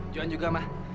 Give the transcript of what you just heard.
juan juga ma